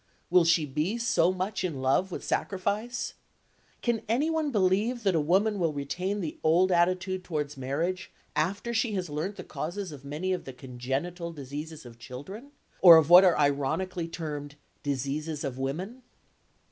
Will she be so much in love with sacrifice? Can anyone believe that a woman will retain the old attitude towards marriage after she has learnt the causes of many of the congenital diseases of children, or of what are ironically termed "diseases of women"?